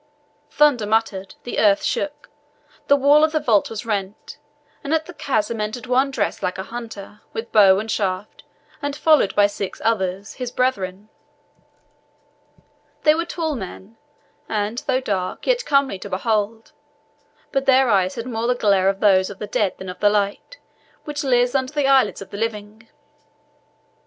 Thunder muttered, the earth shook, the wall of the vault was rent, and at the chasm entered one dressed like a hunter, with bow and shafts, and followed by six others, his brethren. They were tall men, and, though dark, yet comely to behold; but their eyes had more the glare of those of the dead than the light which lives under the eyelids of the living.